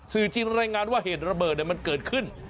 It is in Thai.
จริงรายงานว่าเหตุระเบิดมันเกิดขึ้น